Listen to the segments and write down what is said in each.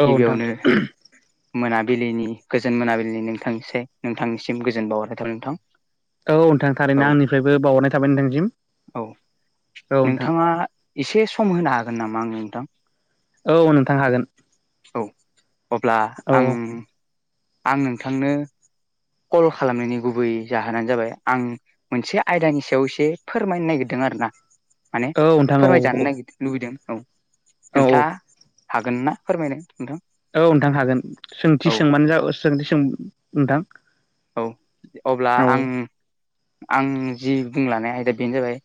औ नोंथां गिबियावनो मोनाबिलिनि गोजोन मोनाबिलिनि नोंथांनिस नोंथांनिसिम गोजोन बावहरनाय थाबाय नोंथां औ नोंथां औ थारैनो आंनिफ्रायबो बाउहरनाय थाबाय नोंथांनिसिम औ नोंथाङा एसे सम होनो हागोन नामा आंनो नोंथां औ नोंथां हागोन औ अब्ला औ आं आं नोंथांनो कल खालामनायनि गुबै जाहोनानो जाबाय आं मोनसे आयदानि सायाव एसे फोरमायनो नागिरदों। आरोना माने औ नोंथां औ फोरमायजानो नागिर लुबैदों औ औ नोंथाङा। हागोन ना फोरमायनो नोंथां? औ नोंथां हागोन औ सोंथि सोंबानो जा सोंथि सों नोंथां औ अब्ला औ आं आं जि बुंलानाय आयदा बेनो जाबाय।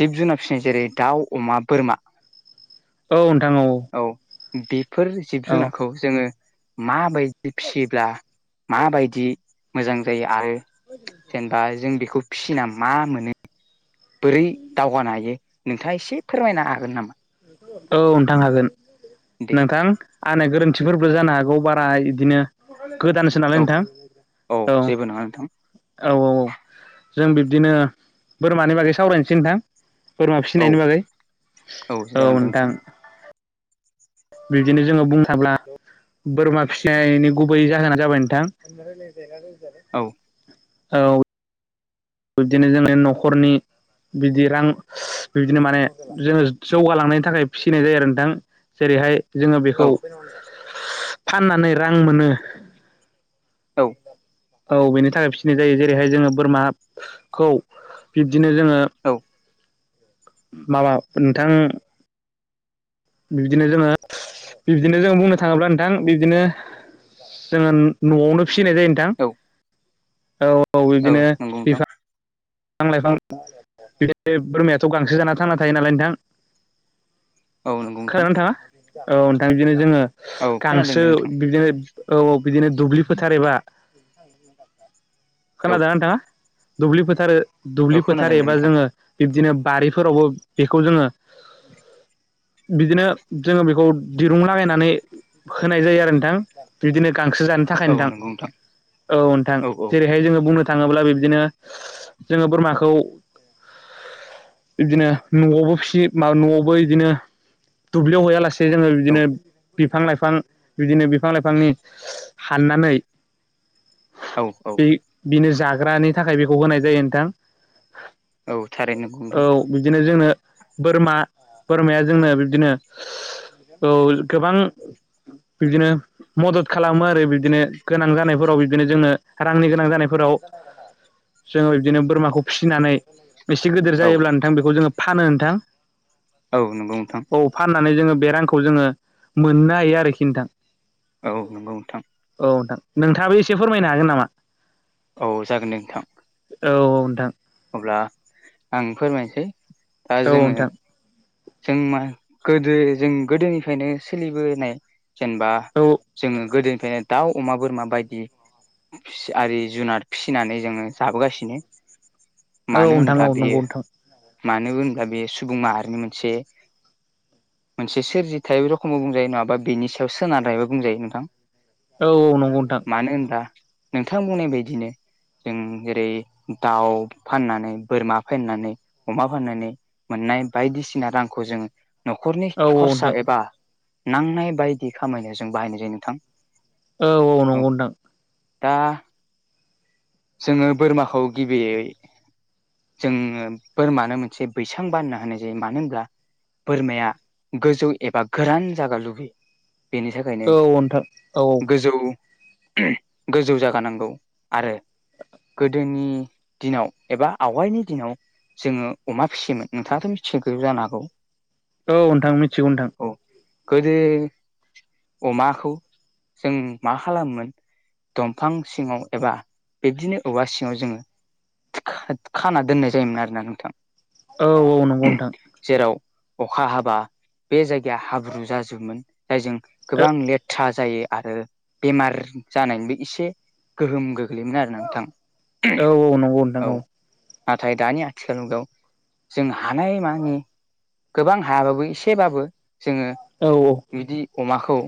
जिब जुनार फिसिनाय जेरै दाउ अमा बोरमा औ औ बेफोर जिब औ जुनारखौ जोङो माबा दियै फिसियोब्ला माबायदि मोजां जायो आरो जेनेबा जों बेखौ फिसिना मा मोनो बोरै दावगानो हायो। नोंथाङा एसे फोरमायनो हागोन नामा? औ नोंथां हागोन दे नोंथां। आंना गोरोन्थिफोरबो जानो हागौ बारा इदिनो गोदानसो नालाय औ नोंथां औ जेबो नङा नोंथां औ औ औ जों बिब्दिनो बोरमानि बागै सावरायनोसै नोंथां। बोरमा औ फिनायनि बागै औ जागोन दे नोंथां बिबदिनो जोङो बुंनो थाब्ला बोरमा फिसिनायनि गुबै जाहोन ना जाबाय नोंथां औ औ बिबदिनो जोंनि न'खरनि बिदि रां बि्दिनो माने जोङो जौगालांनायनि थाखाय फिसिनाय जायो आरो नोंथां। जेरैहाय जोङो बेखौ औ फाननानै रां मोनो। औ औ बेनि थाखाय फिसिनाय जायो जेरैहाय जोङो बोरमाखौ बिब्दिनो जोङो माबा नोंथां बिब्दिनो जोङो बिबदिनो जों बुंनो थाङोब्ला नोंथां बिब्दिनो जोङो नवावनो फिसिनाय जायो नोंथां औ ओ। औ नंगौ नोंथां बिफां लाइफां बिदि बोरमायाथ' गांसो जाना थांना थायो नालाय नोंथां। औ नंगौ नोंथां खोनादोंना नोंथाङा? औ नोंथां बिदिनो जोङो औ खोनादों गांसो दे नोंथां बिदिनो औ बिदिनो दुब्लि फोथार एबा औ खोनादोना नोंथाङा? दुब्लि फोथार औ दुब्लि फोथार खोनादों दे एबा नोंथां जोङो बिब्दिनो बारिफोरावबो बेखौ जोङो बिदिनो जोङो बेखौ दिरुं लागायनानै होनाय जायो आरो नोंथां बिदिनो गांसो जानो थाखाय औ नोंथां नंगौ औ नोंथां औ औ जेरैहाय जोङो बुंनो थाङोब्ला बिब्दिनो जोङो बोरमाखौ बिदिनो नवावबो फिसि माबा नवावबो इदिनो दुब्लियाव हैयालासे सिनो बिदिनो औ [inaudible] बिफां लाइफां बिदिनो बिफां लाइफांनि हाननानै औ औ बे बिनो जाग्रानि थाखाय बेखौ होनाय जायो नोंथां। औ थारैनो नंगौ औ नोंथां बिदिनो जोंनो बोरमा बोरमाया जोंनो बिबदिनो औ गोबां बिबदिनो मदद खालामो आरो बिबदिनो गोनां जानायफोराव बिबदिनो जोंनो रांनि गोनां जानायफोराव जोङो [unintelligible] बिदिनो बोरमाखौ फिसिनानै एसे गिदिर औ जायोब्ला नोंथां बेखौ जोङो फानो नोंथां। औ नंगौ नोंथां औ फाननानै जोङो बे रांखौ जोङो मोननो हायो आरोखि नोंथां औ नंगौ नोंथां औ नोंथां। नोंथाङाबो एसे फोरमायनो हागोन नामा? औ जागोन दे नोंथां। औ औ नोंथां। अब्ला आं फोरमायनोसै दा औ जोङो नोंथां जों मा गोदो जों गोदोनिफ्रायनो सोलिबोनाय जेनेबा औ औ जोङो गोदो गोदोनिफ्रायनो दाउ, अमा, बोरमा बायदि आरि जुनाद फिसिनानै जोंङो जाबोगासिनो। मानो नोंथां होनब्ला औ बेयो नंगौ नोंथां मानो होनब्ला बेयो सुबुं माहारिनि मोनसे मोनसे सोरजिथाइ रोखोमबो बुंजायो नंङाबा बेनि सायाव सोनारनायबो बुंजायो नोंथां। औ औ नंगौ नोंथां मानो होनबा नोंथां बुंनाय बायदिनो जों जेरै दाउ फाननानै बोरमा फाननानै अमा फाननानै मोननाय बायदिसिना रांखौ जोंङो न'खरनि औ औ खरसा नोंथां एबा नांनाय बायदि खामायनाय जों बाहायनाय जायो नोंथां। औ औ नंगौ नोंथां। दा जोंङो बोरमाखौ गिबियै [inaudible] जोंङो बोरमानो मोनसे बैसां बानना होनाय जायो मानो होनब्ला बोरमाया गोजौ एबा गोरान जागा लुबैयो। बेनि थाखायनो औ नोंथां औ गोजौ गोजौ जागानांगौ आरो गोदोनि दिनाव एबा आवगायनि दिनाव जोङो अमा फिसियोमोन नोंथांङाथ' मिथियो जानो हागौ। औ नोंथां मिथिगौ नोंथां। औ गोदो अमाखौ जों मा खालामोमोन। दंफां सिङांव एबा बिब्दिनो औवा सिङांव जोंङो खाना दोननाय जायोमोन आरोना नोंथां। औ औ नंगौ नोंथां जेराव अखा हाबा बे जायगाया हाब्रु जाजोब जायजों गोबां औ लेथ्रा जायो। आरो बेमार जानायनिबो एसे गोहोम गो मोन आरो नोंथां औ [inaudible] नाथाय दानि आथिखाल मुगायाव जों हानाय मानि गोबां हायाबाबो एसेबाबो जोङो औ बिदि अमाखौ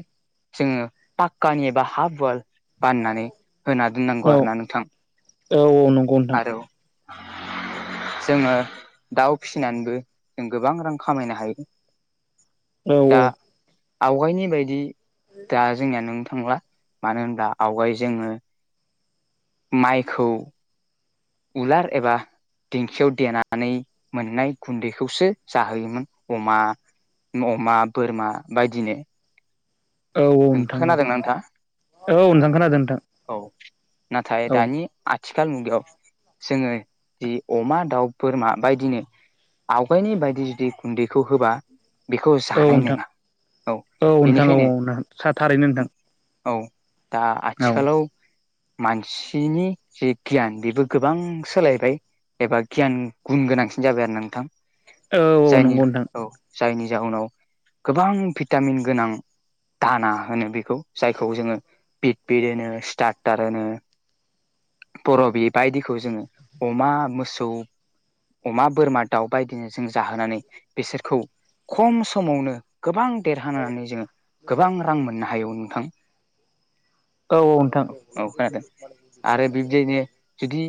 जोंङो पाक्कानि एबा हाफ उयाल बाननानै होना औ दोननांगौ आरोना नोंथां। औ औ नंगौ नोंथां। आरो जोङो दाउ फिसिनानैबो जों गोबां रां खामायनो हायो। औ दा आवगायनि बायदि दा जोंनिया नों थांला मानो होना आवगाय जोंङो माइखौ उलार एबा दिेंखियाव देनानै मोननाय गुन्दैखौसो जाहोयोमोन अमा अमा बोरमा बायदिनो औ औ नोंथां औ खोनादोंना नोंथाङा औ नोंथां खोनादों नोंथां। औ नाथाय औ दानि आथिखाल मुगायाव जोंङो जि अमा दाउ बोरमा बायदिनो आवगायनि बायदि जुदि गुन्दैखौ होबा बेखौ औ जानाय नोंथां नंङा औ नोंथां औ नोंथां थारैनो नोंथां बेनिखायनो औ दा औ आथिखालाव मानसिनि जे गियान बेबो गोबां सोलायबाय एबा गियान गुन गोन गोनांसिन जाबाय आरो नोंथां औ औ जायनि नंगौ नोंथां औ जायनि जाउनाव गोबां भिटामिन गोनां दाना होनो बेखौ जायखौ जोंङो बिटपिट होनो स्टार्टार होनो बरबि बायदिखौ जोंङो अमा मोसौ अमा बोरमा दाउ बायदिनो जों जाहोनानै बिसोरखौ खम समावनो गोबां देरहानानै जोंङो गोबां रां मोननो हायो नोंथां औ नोंथां औ खोनादों आरो बिबदियैनो जुदि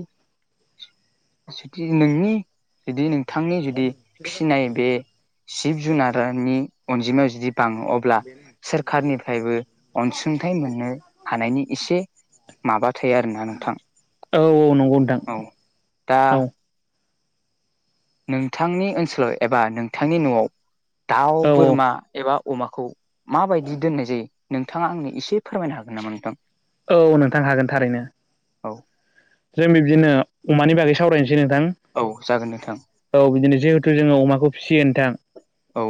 जुदि नोंनि बिदि नों थांनि जुदि फिसिनाय बे जिब जुनारनि अनजिमायाव जुदि बाङो अब्ला सोरखारनिफ्रायबो अनसुंथाइ मोननो हानायनि इसे माबा थायो आरोना नोंथां औ औ नंगौ नोंथां औ दा औ नोंथांनि ओनसोलाव एबा नोंथांनि न'आव दाउ बोरमा एबा अमाखौ माबायदि दोननाय जायो नोंथाङा आंनो एसे फोरमायनो हागोन नामा नोंथां औ नोंथां हागोन थारैनो औ जों बे बिदिनो अमानि बागै सावरायनसै नोंथां औ जागोन नोंथां औ बिदिनो जिहेतु जोङो अमाखौ फिसियो नोंथां औ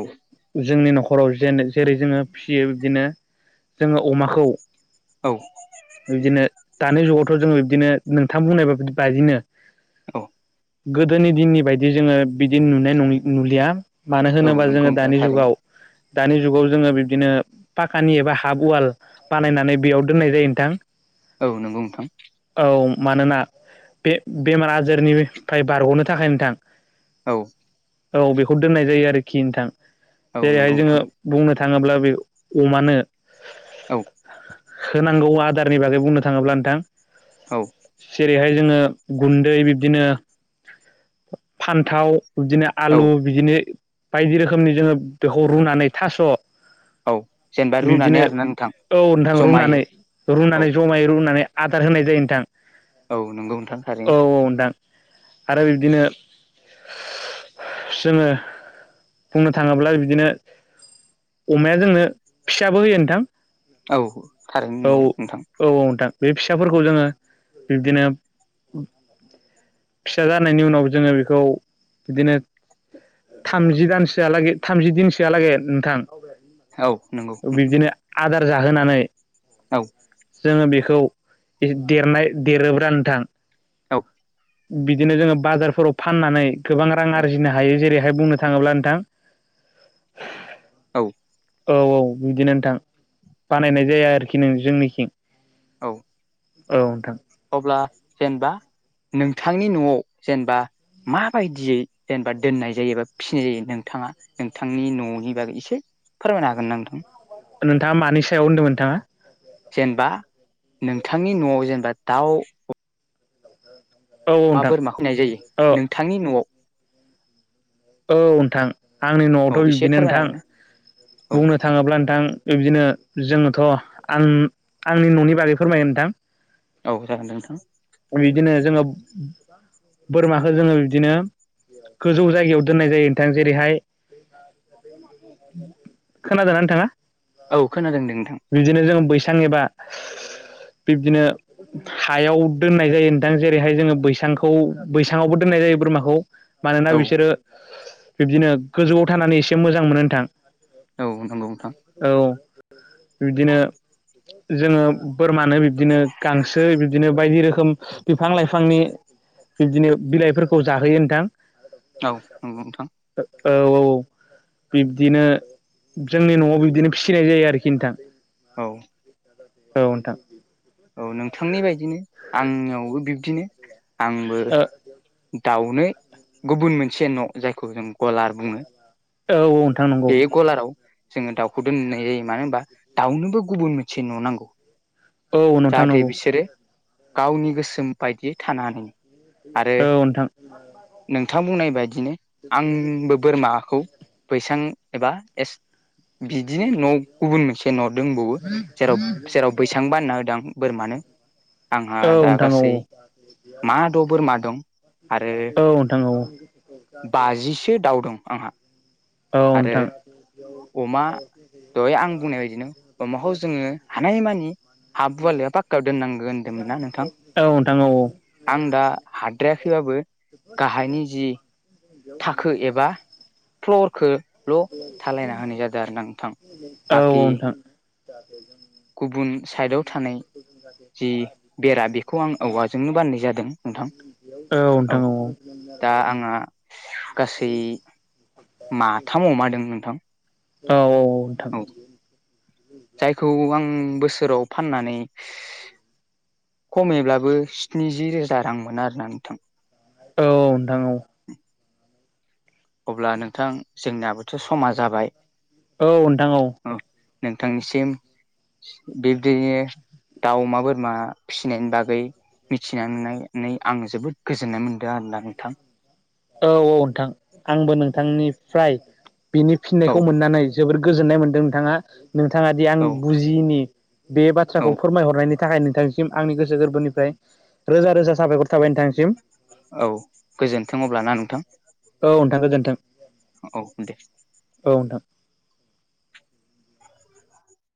जोंनि नखराव जेन जेरै जोङो फियो बिदिनो जोङो अमाखौ औ बिदिनो दानि जुगावथ' जोङो बिदिनो नोंथां बुंनायबा बि बायदिनो औ गोदोनि दिननि बायदि जोङो बिदि नुनाय नुलिया मानो औ होनोबा नंगौ जोङो नोंथां दानि थारैनो जुगाव दानि जुगाव जोङो बिब्दिनो पाखानि एबा हाफ वाल बानायनानै बेयाव दोननाय जायो नोंथां औ नंगौ नोंथां औ मानोना बे बेमार आजारनिफाय बारग'नो थाखाय नोंथां औ औ बेखौ दोननाय जायो आरोखि नोंथां औ नंगौ जेरैहाय जोङो नोंथां बुंनो थां थाङोब्ला बे अमानो औ होनांगौ आदारनि बागै बुंनो थाङोब्ला नोंथां औ जेरैहाय जोङो गुन्दै बिब्दिनो फान्थाव बिदिनो औ आलु बिदिनो बायदि रोखोमनि जोङो बेखौ रुनानै थास' औ जेनेबा रुनानै बिब्दिनो आरोना नोंथां औ नोंथां जमायै रुनानै औ रुनानै जमायै रुनानै आदार होनाय जायो नोंथां औ नोंगौ नोंथां औ थारैनो औ नोंथां आरो बिब्दिनो जोङो बुंनो थांङोब्ला बिदिनो अमाया जोंनो फिसाबो होयो नोंथां औ थारैनो औ नंगौ नोंथां औ नोंथां बे फिसाफोरखौ जोङो बिबदिनो फिसा जा नायनि उनाव जोंङो बेखौ बिदिनो थामजि दानसोआलागै थामजि दिनसोआलागै आरो नोंथां औ नंगौ नोंथां बिब्दिनो जाहोनानै औ जोंङो बेखौ देरनाय देरोब्रा नोंथां। औ बिदिनो जोंङो बाजारफोराव फाननानै गोबां रां औ आरजिनो हायो। जेरै बुंनो थांङोब्ला नोंथां औ औ औ बिदिनो नोंथां बानायनाय जाया आरोखि नों जोंनिखिं औ औ नोंथां अब्ला जेनेबा नोंथांनि न'आव जेनेबा माबायदियै जेनेबा दोननाय जायो एबा फिसिनाय जायो नोंथाङा नोंथांनि न'नि बागै एसे फोरमायनो हागोन ना नोंथां? ओ नोंथाङा मानि सायाव होनदों नोंथाङा? जेनेबा नोंथांनि न'आव जेनेबा दाउ औ अमा नोंथां बोरमा फिनाय जायो। औ नोंथांनि न'आव औ नोंथां आंनि औ न'आवथ' एसे बिब्दिनो फोरमायनो नोंथां हागोन ना औ बुंनो थाङोब्ला नोंथां बिदिनो जोङो थ' आं आंनि न'नि बागै फोरमायगोन नोंथां। औ जागोन दे नोंथां। बिदिनो जोङो बोरमाखौ जोङो बिदिनो गोजौ जायगायाव दोननाय जायो। नोंथां जेरैहाय खोनादोंना थाङा? औ खोनादों नोंथां। थां एबा बिब्दिनो हायाव दोननाय जायो नोंथां जेरैहाय जोङो बैसांखौ बैसाङावबो दोननाय जायो बोरमाखौ। मानोना औ बिसोरो बिब्दिनो गोजौआव थानानै एसे मोजां मोनो नोंथां। औ नंगौ नोंथां औ बिब्दिनो जोङो बोरमानो बिब्दिनो गांसो बिब्दिनो बायदि रोखोम बिफां लाइफांनि बिब्दिनो बिलाइफोरखौ जाहोयो नोंथां। औ नंगौ नोंथां। औ औ औ बिब्दिनो जोंनि न'आव बिब्दिनो फिसिनाय जायो आरोखि नोंथां। औ औ नोंथां औ नोंथांनि बायदिनो आंनियावबो बिब्दिनो आंबो दाउनो गुबुन मोनसे न' जायखौ जों गलार बुङो। औ औ नोंथां नंगौ। बे गलाराव जोङो दाउखौ दोननाय जायो मानो होनबा दाउनोबो गुबुन मोनसे न' नांगौ। औ नोंथां जाहाथे नंगौ। बिसोरो गावनि गोसोम बायदियै थानानै औ नोंथां थां बुंनाय बायदिनो आंबो बोरमाखौ बैसां एबा ए बिदिनो न' गुबुन मोनसे न' दोंबावो जेराव जेराव बैसां बानना होदां बोरमानो आंहा नंगौ औ दा नोंथां औ नोंथां औ गासै मा द' बोरमा दं। आरो औ नोंथां औ बाजिसो दाउ दं आंहा औ आरो नोंथां। अमा दहाय आं बुंनाय बायदिनो अमाखौ जोङो हानायमानि गुवाल एबा पाक्कायाव दोननांगौ होनदोंमोन ना नोंथां। औ नोंथां औ आं दा हाद्रायाखैबाबो गाहायनि जि थाखो एबा फ्लरखो ल' थालायना होनाय जादों आरो ना नोंथां। बाखि जाथों [unintelligible] गुबुन साइडाव थानाय जि बेरा बेखौ आं औवाजोंनो बाननाय जादों नोंथां। औ दा आंहा गासै माथाम अमा दो नोंथां। औ औ नोंथां औ जायखौ आं बोसोराव फाननानै खमैब्लाबो स्निजि रोजा रां मोनो आरोना नोंथां। औ नोंथां औ अब्ला नोंथां जोंनियाबोथ' समा जाबाय औ नोंथां औ नोंथांनिसिम बिबदिनो दाउ, अमा, बोरमा फिसिनायनि बागै मिथिनानैनै आं जोबोद गोजोननाय मोनदों आरोना नोंथां। औ औ नोंथां आंबो नोंथांनिफ्राय बिनि औ फिननायखौ मोननानै जोबोर गोजोननाय मोनदों नोंथाङा नोंथाङा दि आं औ बुजिनि बे औ बाथ्राखौ फोरमायहरनायनि थाखाय नोंथांसिम आंनि गोसो गोरबोनिफ्राय रोजा रोजा साबफायखर थाबाय नोंथांसिम। औ गोजोन्थों अब्ला ना नोंथां औ नोंथां गोजोनथों औ दे औ नोंथां